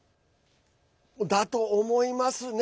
だと思います！